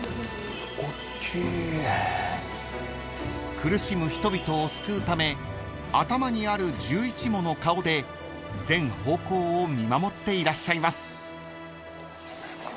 ［苦しむ人々を救うため頭にある１１もの顔で全方向を見守っていらっしゃいます］